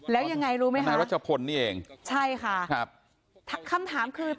แล้วยังไงรู้ไหมคะนายรัชพลนี่เองใช่ค่ะครับคำถามคือ